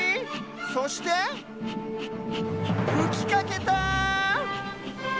そしてふきかけた！